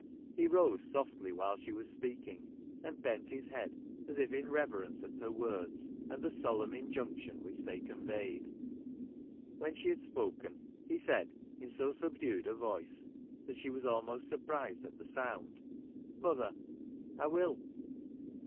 He rose softly while she was speaking, and bent his head as if in reverence at her words, and the solemn injunction which they conveyed. When she had spoken, he said in so subdued a voice that she was almost surprised at the sound, ' Mother, I will.'